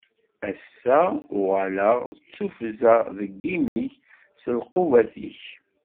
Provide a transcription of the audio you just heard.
Ass-a uɣaleɣ d tufza deg imi-k s lqubat-ik.